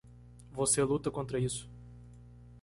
Você luta contra isso.